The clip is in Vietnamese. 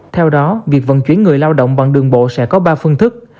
theo đó việc vận chuyển người lao động bằng đường bộ sẽ có ba phương thức